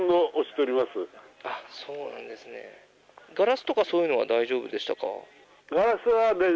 ガラスとかそういうのは大丈夫でしたか？